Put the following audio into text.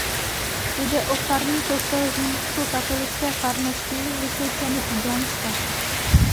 Jde o farní kostel římskokatolické farnosti Vysočany u Blanska.